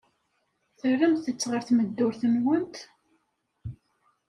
Terramt-t ɣer tmudrut-nwent?